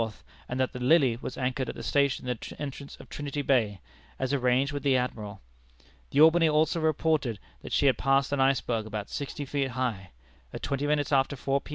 and that the Lily was anchored at the station in the entrance of Trinity Bay, as arranged with the Admiral. The Albany also reported that she had passed an iceberg about sixty feet high. At twenty minutes after four P.